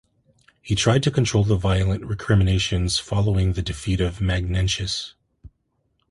He tried to control the violent recriminations following the defeat of Magnentius.